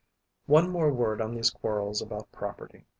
One more word on these quarrels about property.